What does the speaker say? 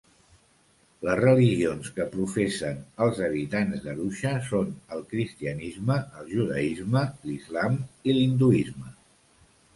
Les religions que professen els habitants d'Arusha són el cristianisme, el judaisme, l'Islam i l'hinduisme.